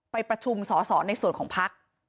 ไปประชุมสอสอในส่วนของพัก